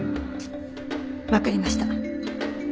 わかりました。